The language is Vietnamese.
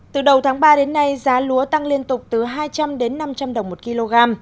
từ đầu tháng ba đến nay giá lúa tăng liên tục từ hai trăm linh đến năm trăm linh đồng một kg